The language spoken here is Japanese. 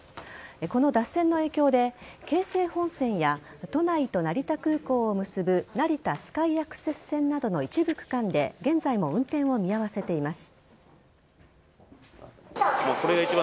この脱線の影響で京成本線や都内と成田空港を結ぶ成田スカイアクセス線などの一部区間で現在も運転を見合わせています。